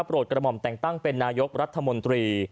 กระหม่อมแต่งตั้งเป็นนายกรัฐมนตรี